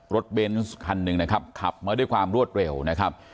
เบนส์คันหนึ่งนะครับขับมาด้วยความรวดเร็วนะครับ